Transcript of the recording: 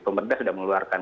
pemerintah sudah mengeluarkan